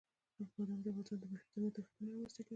بادام د افغانستان د ناحیو ترمنځ تفاوتونه رامنځ ته کوي.